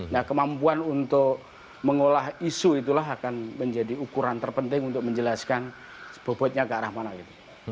nah kemampuan untuk mengolah isu itulah akan menjadi ukuran terpenting untuk menjelaskan bobotnya ke arah mana gitu